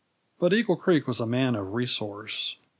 But Eagle Creek was a man of resource.